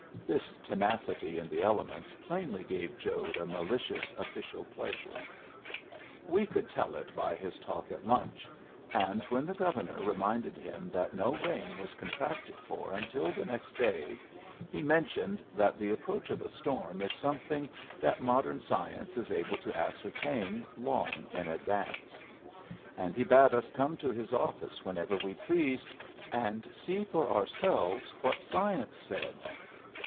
This tenacity in the elements plainly gave Jode a malicious official pleasure. We could tell it by his talk at lunch; and when the Governor reminded him that no rain was contracted for until the next day, he mentioned that the approach of a storm is something that modern science is able to ascertain long in advance; and he bade us come to his office whenever we pleased, and see for ourselves what science said.